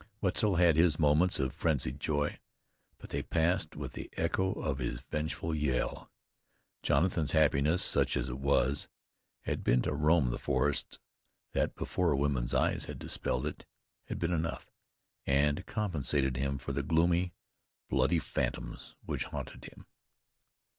Wetzel had his moments of frenzied joy, but they passed with the echo of his vengeful yell. Jonathan's happiness, such as it was, had been to roam the forests. That, before a woman's eyes had dispelled it, had been enough, and compensated him for the gloomy, bloody phantoms which haunted him.